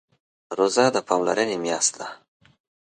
روژه د پاملرنې میاشت ده.